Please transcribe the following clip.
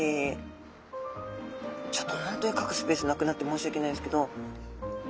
ちょっと本当にかくスペースなくなって申し訳ないですけど。